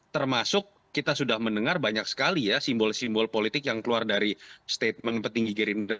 termasuk kita sudah mendengar banyak sekali ya simbol simbol politik yang keluar dari statement petinggi gerindra